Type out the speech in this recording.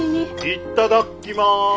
いっただっきます。